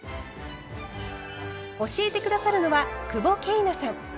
教えて下さるのは久保桂奈さん。